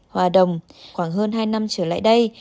hòa đồng khoảng hơn hai năm trở lại đây